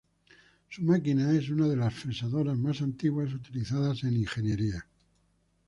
Su máquina es una de las fresadoras más antiguas utilizadas en ingeniería.